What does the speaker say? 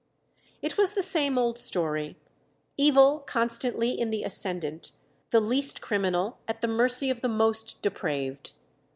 It was the same old story evil constantly in the ascendant, the least criminal at the mercy of the most depraved.